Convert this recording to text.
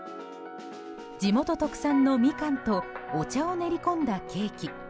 地元特産のミカンとお茶を練り込んだケーキ。